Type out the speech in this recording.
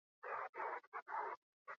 Hanka motza, lodia, betea eta zurixka.